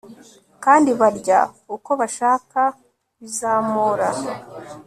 kandi barya uko bashaka bizamura